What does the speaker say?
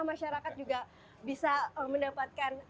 masyarakat juga bisa mendapatkan